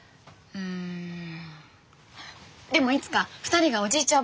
うんでもいつか２人がおじいちゃん